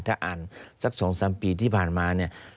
ถ้าอ่านสักสองสามปีที่ผ่านมา